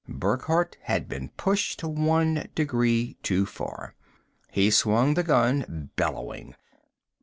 Burckhardt had been pushed one degree too far. He swung the gun, bellowing.